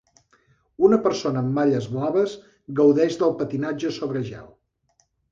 Una persona amb malles blaves gaudeix del patinatge sobre gel.